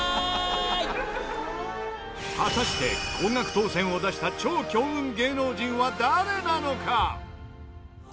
果たして高額当せんを出した超強運芸能人は誰なのか？